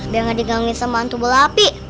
biar gak digangguin semaan tubuh lapi